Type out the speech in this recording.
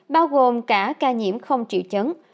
bao gồm cả ca nhiễm không triệu chấn